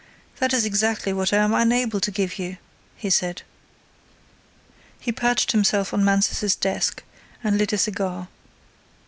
"That is exactly what I am unable to give you," he said. He perched himself on Mansus's desk and lit a cigar.